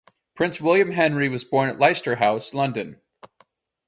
Prince William Henry was born at Leicester House, London.